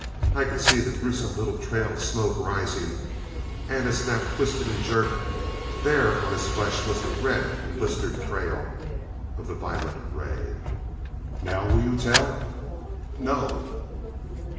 I could see the gruesome little trail of smoke rising; and as Snap twisted and jerked, there on his flesh was the red and blistered trail of the violet ray. "Now will you tell?" "No!"